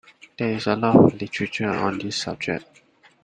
There is a lot of Literature on this subject.